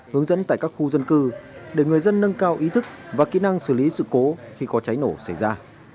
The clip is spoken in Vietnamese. hướng dẫn tại các khu dân cư để người dân nâng cao ý thức và kỹ năng xử lý sự cố khi có cháy nổ xảy ra